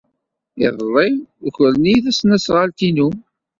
Iḍelli, ukren-iyi tasnasɣalt-inu.